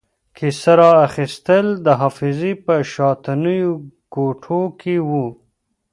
کیسه را اخیستل د حافظې په شاتنیو کوټو کې وو.